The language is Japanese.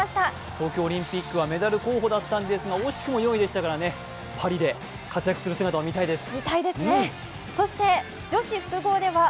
東京オリンピックはメダル候補だったんですけれども、惜しくも４位でしたから、パリで活躍する姿を見たいです。